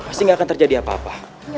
pasti gak akan terjadi apa apa